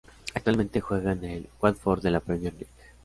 Actualmente juega en el Watford de la Premier League.